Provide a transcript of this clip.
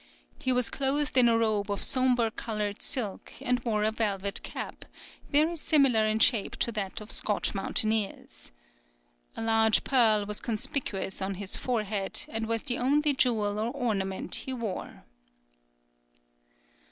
He was clothed in a robe of sombre coloured silk, and wore a velvet cap, very similar in shape to that of Scotch mountaineers. A large pearl was conspicuous on his forehead, and was the only jewel or ornament he wore."